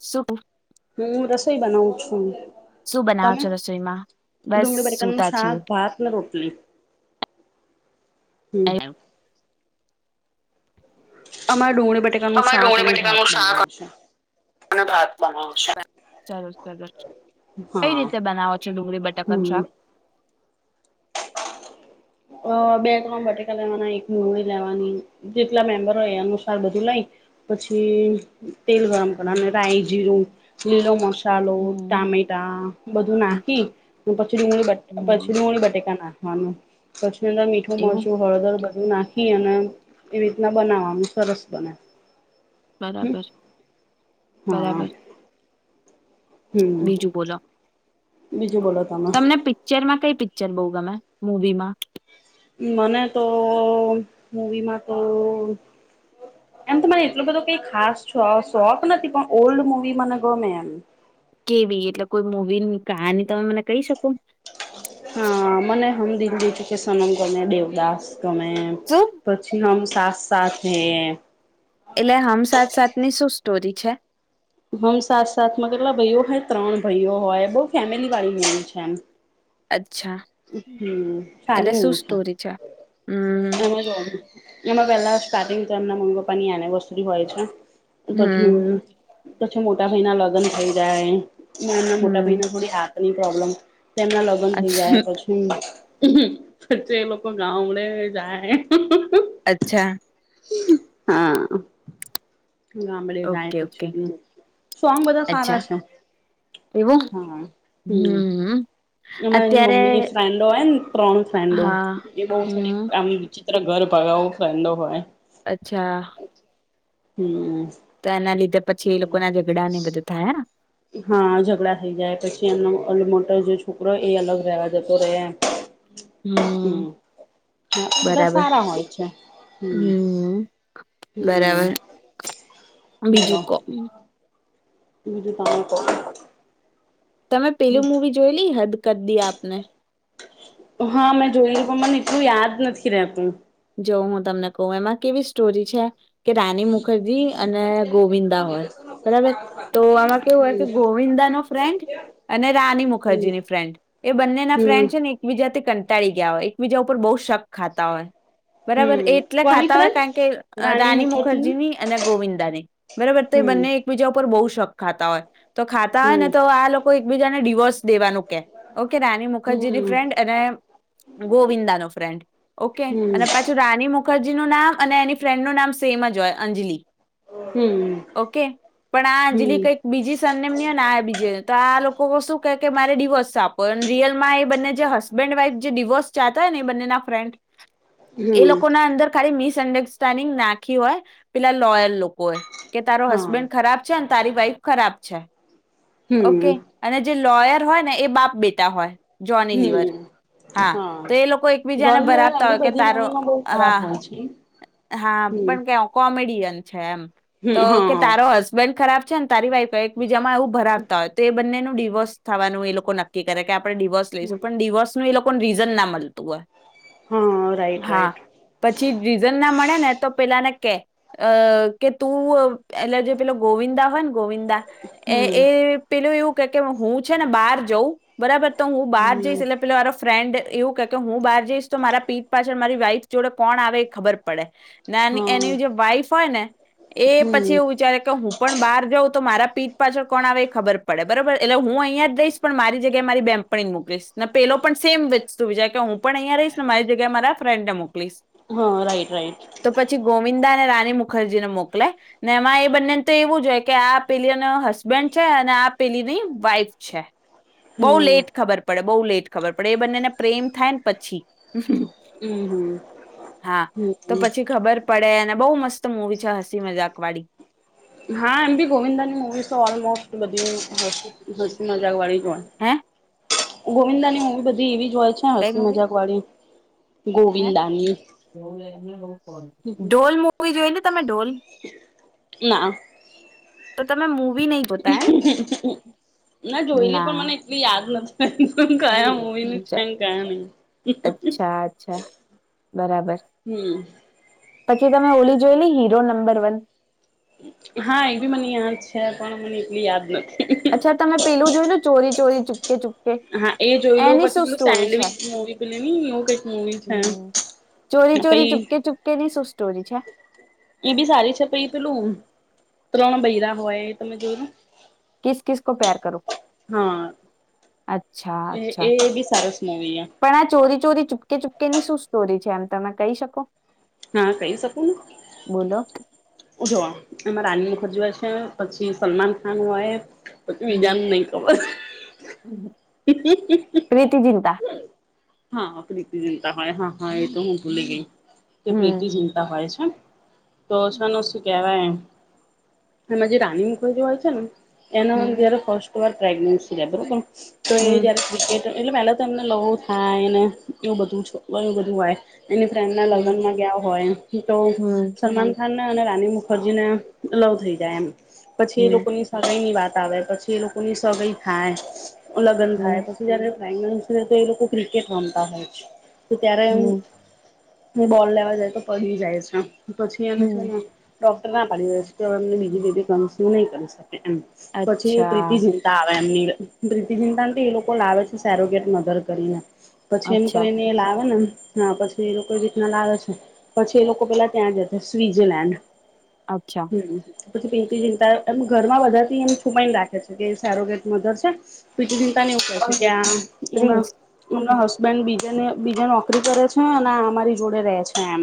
શું હું ર બનાવ છું શું બનાવો તમે છો રસોઈમાં બસ ડુંગળી બટેકાનું સુતા શાક છીએ ભાત ને રોટલી હમ થુ [inaudible] અમારે ડુંગળી બટેકાનુંું શાક અને ભાત બનાવું છે અને ભાત બનાવશેને સરસ સરસ કઈ હા રીતે બનાવો છો ડુંગળી બટાકન હમ શાક અ બે ત્રણ બટેકા લેવાના એક મગી લેવાની જેટલા મેમ્બરો એ અનુસાર બધું લઈ પછી તેલ ગરમ કરવા રાય જીરું લીલો મસ મસાલો હમ ટામેટા બધું નાખી પછી ડુંગળી પછી હમ ડુંગળી બટેકા નાખી હનું ખ મીઠો એવું મરસું હળદર નાખી અને એવી રીતના બનાવાનું સરસ બને હમ બરાબર હા બરાબર હમ બીજું બોલો [inaudible] તમને પિક્ચરમાં ક પિક્ચર બહ ગમે મૂવીમાં મને તો મવીમાં તો એમ તો મને એટલો બધો કઈ ખાસ શોખ નથી પણ ઓલ્ડ મવી મને ગમે એમ કેવી એટલે કોઈ મવીની કહાની તમે મને કહી શકો હા મને હમ દીની તું કે સનમ ગમે દેવદાસ તમે શું પછી આમ સાથ સાથ હ એટલે આમ સાથ સાથ ની શું સ્ટોરી છે હમ સાત સાથમાં કેટલા ભાઈઓ હોય ત્રણ ભાઈઓ હોય બહ ફેમિલી વાળી ભાઈણી છે એમ અચ્છા હમ સાર એટલે એવ શું છે સ્ટોરી હમ એમાં જ એમાં પેલા સ્ટાર્ટિંગ તો એમના [unintelligible] પાણી ની આની વતુથી હોય છે. તો હમ પછી તોછી મોટા ભયના લગ્ન થઈ જાય. મના મોટા હમ બાઈના થોડી આ તેની પ્રોબ્લેમ. તેમના લગન થઈ જાય. એ લોકો ગબડે ગાયે. અચ્છા. હા. ગામડે જાય ઓકે ઓકે પછી સોંગ બધા અચ્છા સારા છે એવું હા હમ અમારે એની અત્યારે મમ્મીની ફ્રેન્ડો હોય ને ત્રણ ફ્રેન્ડો હા એ બ હમ થડી વિ ઘર ભગાવો ફંદો હોય. અચ્છા. હમ્મ. તોના લી પછી એ લોકો ના ઝઘડા ને બધા થયા ને. હા ઝઘડા થઇ જાય પછી એમનો અ મોટો જે છોકરો એ અલગ રહેવા જતો રહે એમ. હમ હમ્મ હા એ બધા બરાબર સારા હોય છે હમ્મ હમ હમ્મ. બરાબર બીજું કો. બજું તમે તો? તમે પેલું મૂવી જોયલી હદ કર દી આપને? હા મેં જોઈ લિ પણ મને એટલું યાદ નથી રેતુ. જોવ હું તમને કહું એમાં કેવી સ્ટોરી છે. કે રાની મુખરજી અને ગોવિંદા હોય બરાબર તો આમાં કેવું હોય કે ગોવિંદા નો ફ્રેન્ડ અને રાની હમ મુખર્જીની ફ્રેન્ડ એ બંને ના હમ ફ્રેન્ડ છે ને એકબીજાથી ક ઉતાળી ગયા હોય એકબીજા ઉપર બહુ શક ખાતા હોય. બરાબર એ હમ એટલે કોની ખાતા હોય ફ્રેન્ડ કારણ કે રાણી રાની મુખર્જી મુખર્જીની ની અને ગોવિંદા ની બરાબર તો એ હમ બંને એકબીજા ઉપર બહ છક ખાતા હોય. તો ખાતા હોય ને હમ તો આ લોકો એકબીજાને ડડીવોર્સ દેવાનું કે ઓકે રાની મુખર્જીની હમ ફ્રેન્ડ અને ગોવિંદા ન ફ્રેન્ડ ઓકે. અને પાછી રાની મુખ રજી નું નામ અને એની ફ્રેન્ડ નનું નામ સેમ જ હોય અંજલી. હમ ઓકે પણ આ અંજલી હમ કઈક બીજી સરનેમની હો આ બીજ તો આ લોકો શું કે કે મારે ડિવોર્સ આપો રિયલમાં એ બંને જે હસબન્ડ વાઈફ જે ડિવોર્સ ચાતા હોય ને એ બંને ના ફ્રેન્ડ હમ એ હમ લોકો ના અંદર ખાલી મિસ અન્ડરસ્ટેન્ડિંગ નાખી હોય પેલા લોયર લોકો એ. કે તારો હા હસબેન્ડ ખરાબ છે. તારી વાઈફ ખરાબ છે. ઓકે હમ અને જે લોયર હોય ને એ બાપ બેટા હોય. જોની લિવર. હમ હા તો એ લોકો એકબીજાને જોની લેવલ એમ ભરાવતા બી હોય કે બધી તારો મૂવીમાં બહુ ખરાબ હોય હા છે. હા હમ પણ ક કો કોમેડિયન છે એમ. તો હમ કે હા તારો હસબેન્ડ ખરાબ છે ને તારી વાઇફ એકબીજામાં એવું ભરાવતા હોય. તો એ બંનેનું ડિવોર્સ થવાનું એ લોકો નક્કી કરે કે આ આપણે ડિવર્સ લઈશું. પણ ડિવોર્સને એ લો કો રીઝન ના મલ હા રાઈટ [inaudible] હા રાઈટ પછી રીઝનના મળે ને તો પેલાને કે અ કે તું એલેજે પેલો ગોવિંદા હોય ને ગોવિંદા એ હમ એ પેલું એવું કે કે હું છે ને બાર જઉં બરાબર તો હું બહાર જઈશ એટલે હમ પેલા મારો ફ્રેન્ડ એવું કે કે હું બહાર જઈશ તો મારા પીઠ પાછળ મારી વાઈફ જોડે કોણ આવે એ ખબર પડે. ના એ હા એની જે વાઈફ હોય ને એ પછી એવું હમ વિચારે કે હું પણ બહાર જાઉં તો મારા પીઠ પાછળ કોણ આવે એ ખબર પડે બરોબર. એટલે હું અહિયાયા જ રઈશ. પણ મારી જગ્યાએ મારી બેમ્પણીને મોકલીશ. ના પેલો પણ સેમ વસ્તુ વિચારે કે હું પણ અહિયા રહીશ ને મારી કે મારા ફ્રેન્ડને મોકલીશ. હા રાઈટ રાઈટ તો પછી ગોવિંદ દા અને રાની મુખર્જી ને મોકલેય. ને એમાં એ બંનેને તો એવું જો હોય કે આ પેલીનો હસબન્ડ છે. અને આ પેલીની વાઈફ છે. બહુ હમ લેટ ખબર પ પડે બહુ લેટ ખબર પડે. એ બંનેને પ્રેમ થાય ને પછી. [inaudible] હમ્મ હમ્મ હા તો પછી ખબર પડે અને બહુ મસ્ત મુવી છે હસી મજાક વાળી. હા આમબી ગોવિંદાની મૂવીઝ તો ઓલમોસ્ટ બધી હોઈ હસી મજાક હોઈ હે ગોવિંદા ની મુવી બધી એવી જોય છે. હસ્સી મજાક વાળી હ ગોવિંદાની ડોલ મુવી જોઈ તમે ઢોલ ના તો તમે નહી જોતા એમ ના જોયેલી પણ ના મને એટલી યાદ નથી કાયા મવી ન અચ્છા છેમ કાયા નહી અચ્છા અચ્છા બરાબર હમ પછી તમે ઓલી જોઈેલી હીરો નંબર વન હા એ બી મને યાદ છે પણ મને એટલી યાદ નથી અચ્છા તમે પેલું જોયું ને ચોરી ચોરી ચ હા એ જોઈ લો પછી પેલું સ્ટોરી છે સેન્ડવીચ મુવી પ નઈ એવું કઈક મુવી હમ ચોરી છે પ ચોરી ચુપકે ચુપકે ની શું સ્ટોરી છે એ બી સારી છે પછ પેલું ત્રણ બૈરા હોય તમે જોવો ને કસ કસ કો પેર કરો હા અચ્છા અચ્છા એ એ બી સરસ મુવી એ પણણા ચોરી ોરી ચૂપકે ચૂપ ની શું સ્ટોરી છે એમ તમે કહી શકો હા કહી શકું બોલો ને જોવા એમાં રાની મુખર્જી પછી સલમાન ખાન હોય પછું હમ બીજાને નહી ખબર [inaudible] ચિતા હા પ્રીતિ ચિતા હો હા હા એ તો હું ભૂલે ગઈ કે હમ પ્રેતિશીનતા હોય છે તો શને શું કેહેવાય એમાં જે રાની મુખઈ જે હોય છે ને હમ એનોિર ફસ્ટ કર પ્રેગ્નસી [inaudible] તો એ હમ જયારે ક્રિકેટ એટલે તને લ થાયને એવું બધું એું બધું એની ફ્રેન્ડના હમ લગ્નમાં ગયા હોય તો હમ સલમાન ખાન અને રાની મુખરજીને લવ થઈ જાય એમ પછી એ હમ લોકો ની સમય ની વાત. આવે પછી એ લોકો ની સગાઈ થાય લગન હમ થાય પછી જયારે બંગ દ લોકો ક્રિકેટ રમતા હોય છે તો ત્યારેમ હમ એ બોલ લેવા જાય તો [unintelligible] જાય છે. પછી એ ડૉક્ટર ના પાડી રહ્યો છે, કે એમને બીજી [unintelligible] નહીં કરી શકે. પછી અચ્છા પ્રીતિ ચિંતા. એમની પ્રીતિ ચિતા તો એ લોકો લાવે છે. [unintelligible] કરીને પછી એમ અચ્છા કરીને એ લાવે ને હા પછી એ લોકો એ રીતના લાવે છે, પછી એ લોકો પેલા ત્યાં જ છે, સ્વઝરલેન્ડ અચ્છા પછી પીંચ ચિંતા ઘરમાં બધા થી એ છુપઈને રાખે છે, કે સેરોગટ મધર છે, પી પોતાની ઉપર છે, ત્યાં એમાં [unintelligible] હસબન્ડ બીજાને બીજા નોકરી કરે છે, અને અમારી જોડે રે છે, એમ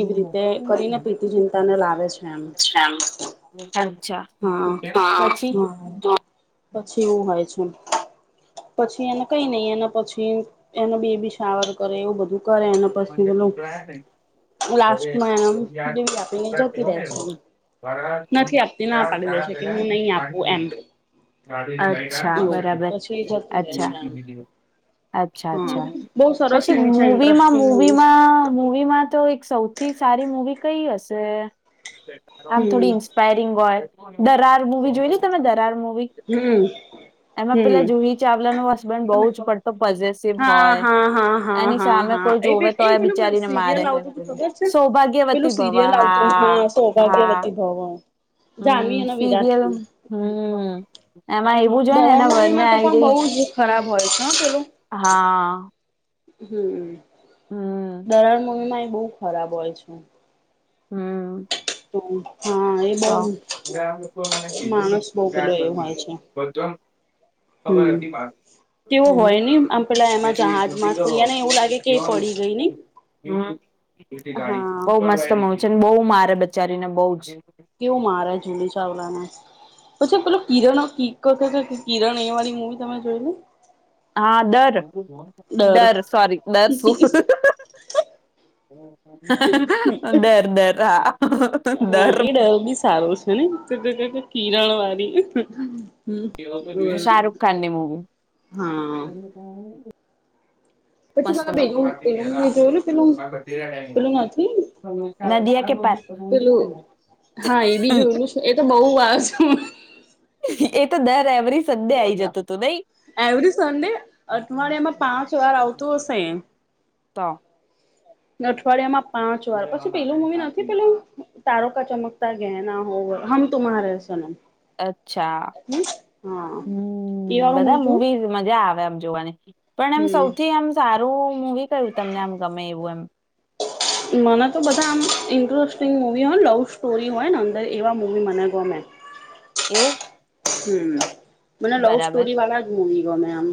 એવી રીતે કરીને પીતી [unintelligible] ને લાગે. અચ્છા હા હા [unintelligible] પછી એવું હોય છે, પછી કરે એને પછી પેલું લાસ્ટમાં એને ડરી આપીને જતી ર છે. એ નથી આપ ના પાડી દેશે કે હું નહી આપું એમ. અચ્છા એવું બરાબર પછી એ જતી રહે અચ્છા છે એમ અચ્છા હા અચ્છા બહુ સરસ પછી મૂવી છે મવીમાં ઇન્ટરેસ્ટિંગ મૂવી છે મવીમાં મવીમાં તો એક સૌથી સારી મવી કઈ હશે. [inaudible] આમ હમ થોડી ઇન્સ્પાયરિંગ હોય. દરાર મુવી જોઈ ને તમે દરાર મુવી. હમ એમાં પેલા હમ જુહી ચાવલા ન હસબન્ડ બહ તમે જ પડતો પોઝિસિવ હા હોય હા હા હા એની હા સામે હા કોઈ એ જોવે એ તોય પેલું બિચારીને મારે સિરિયલ આવતું તું ખબર છે પેલું સૌભાગ્યવતી ભવા સિરિયલ આવતું હા હા સૌભાગ્યવતી ભવ જાનવી હમ અને સીરિયલ વિરાટનું હમ એમાં એવું જ હોય ને દરાર એના વને મૂવીમાં તો આઈ પણ રઈ. બહુ જ ખરાબ હોય હા હમ [unintelligible] [unintelligible] બઉુ ખરાબ હોય છે. હમ તો હા એ બહુ માણસ બહુ પેલો એ હોય છે હમ મને તેવો હોય નહી આમ પેલા એમાં જહાજમાં તો એને એવું લાગે કે એ પડી ગઈ નઈ હા [unintelligible] બહુ મારે બચારી ને બહ જ કેવું મારે જુલી ચાવલાને પછી પેલો કિરણ કીક હતો કિરણ એ વાળી મૂવી તમે જોય લ હા દર ડર સોરી ડર શું ડર ડર હા ડર હે ક કિરણ વાી શાહરખ ખાન ની મુવી હા પછી મા બેનું પેલ જોયેલું પેલું પેલું નથી નદીયા કે પાર પેલું હા એ બી જોયેલું એ તો બહ વાર એ તો ન રમરી સંડે આઈ જતો હતો નઈ એવરી સન્ડે અઠવાડિયા એમાં પાંચ વાર આવતું હશે તો અઠવાડિયામાં પાંચ વાર પછી પેલું મવી નથી પેલું તારો કા ચમકતા ગહ ના હો હમ તુમ્હાર સન અચ્છા હા એ હમ વાળું હું બધા છું મુવીઝ મજા આવે એમ જોવાની પણ એમ હમ સૌથી એમ સારું વી કું તમને આમ ગમે એવું એમ મને તો બધા આમ ઇન્ટરેસ્ટિંગ મૂવી હોય ને લવ સ્ટોરી હોય ને અંદર એવા મૂવી મને ગમે એવું હમ મને લવ બરાબર સ્ટોરી વાા જ મુ ગ મે આમ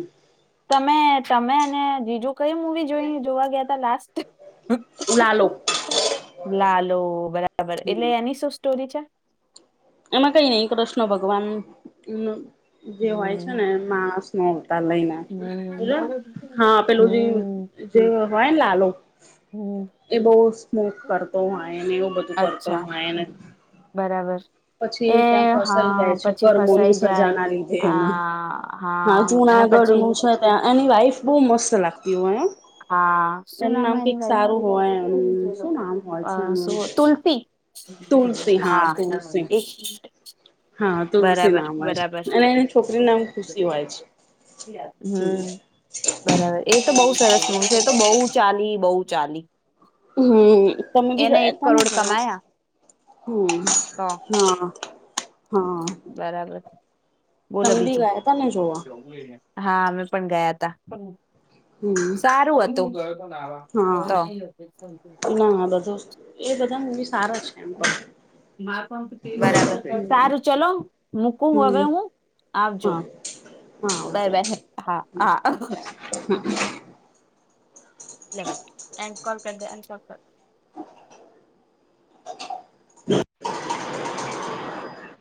તમે તમે અને બીજું કઈ મુવી જોઈ જોવા ગયા ત લાસ્ટ લાલો લાલો બરા બબર એટલે હમ એની શું સ્ટોરી છે એમાં કઈ નઈ કૃષ્ણ ભગવાન જે હોય છે હમ્મ ને માસ હ લઈને હમ્મ હા પેલું જે જે હોય ને લાલો હમ્મ એ બહુ સ્મોક કરતો હોયને એવું બધું કરતો અચ્છા હોયને બરાબર એ પછી ત્યાં ફસાઈ જાય હા છે પછી કર્મોની ફસાઈ સજા જાય ના લીધે એના આ હા અને જુનાગઢ પછી નું છે ત્યાં એની વાઈફ બહુ મસ્ત લાગતી એવું હોય હા શું એનું નામ કઈક એની સારું હોય વાઈફ તુલસી એનું શું નામ હોય છે એનું શું તુલ્ફી તુલસી હા તુલસી એક હા તુલસી બરાબર નામ હોય છે બરાબર અને એની છોકરી નામ ખુશી હોય છે હમ બરાબર એ તો બહુ હમ સરસ મૂવી છે એ તો બહુ ચાલી બહુ ચાલી હમ તમે બી એને એક ગયા તને કરોડ જો કમાયા હમ તો હા બરાબર બોલો સમજી બીજું ગયા તમે જોવા હા અમે પણ ગયા તા હમ સારું હતું હા તમ ના બધું એ બધા ને એમ ભી સારા છે એમ બરાબર સારું ચલો મૂકું હવે હમ હું આવજો હા હા બાય આવજો બાય હા હા હા લેવલ એન્ડ કો [unintelligible]